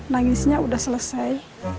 nangisnya udah selesai